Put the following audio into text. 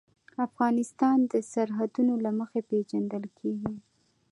افغانستان د سرحدونه له مخې پېژندل کېږي.